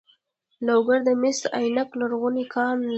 لوګر د مس عینک لرغونی کان لري